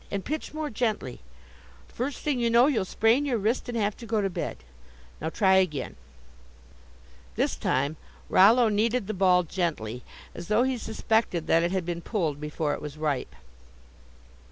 And pitch more gently; the first thing you know you'll sprain your wrist and have to go to bed. Now, try again." This time Rollo kneaded the ball gently, as though he suspected it had been pulled before it was ripe.